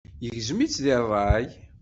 Yegzem-itt deg ṛṛay.